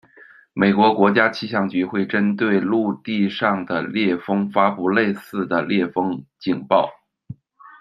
美国国家气象局会针对陆地上的烈风发布类似的烈风警报。